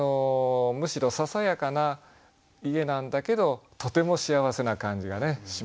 むしろささやかな家なんだけどとても幸せな感じがします。